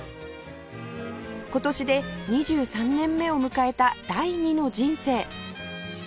今年で２３年目を迎えた第二の人生